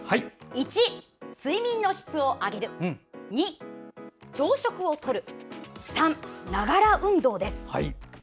１、睡眠の質を上げる２、朝食をとる３、ながら運動です。